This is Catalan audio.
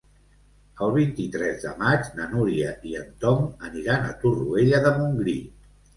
El vint-i-tres de maig na Núria i en Tom aniran a Torroella de Montgrí.